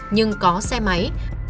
nhưng có xe máy